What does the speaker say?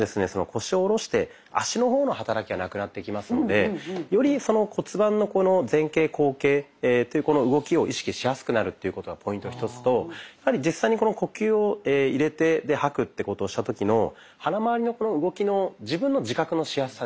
腰を下ろして足の方の働きがなくなってきますのでより骨盤の前傾・後傾この動きを意識しやすくなるということがポイント１つと実際に呼吸を入れて吐くってことをした時の腹まわりのこの動きの自分の自覚のしやすさですね。